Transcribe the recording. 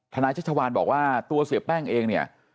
นายชัชวานบอกว่าตัวเสียแป้งเองเนี่ย